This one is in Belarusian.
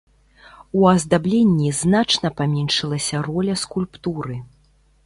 У аздабленні значна паменшылася роля скульптуры.